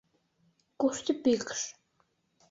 Кушто пӱкш?